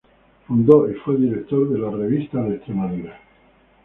Fundó y fue director de la "Revista de Extremadura".